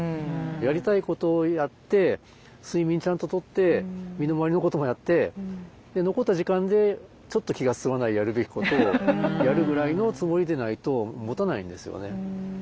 やりたいことをやって睡眠ちゃんととって身の回りのこともやって残った時間でちょっと気が進まないやるべきことをやるぐらいのつもりでないともたないんですよね。